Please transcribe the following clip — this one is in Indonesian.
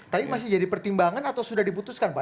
tapi masih jadi pertimbangan atau sudah diputuskan pak